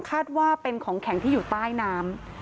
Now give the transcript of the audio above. คาดว่าเป็นของแข็งที่อยู่ใต้น้ำ